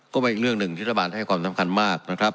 ก็เป็นเรื่องหนึ่งที่จะมาให้ความทัมภัณฑ์มากนะครับ